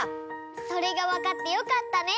それがわかってよかったね！